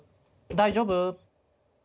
大丈夫？